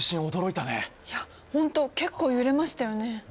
いや本当結構揺れましたよね。